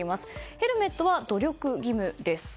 ヘルメットは努力義務です。